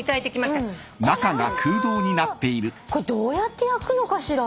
どうやって焼くのかしら？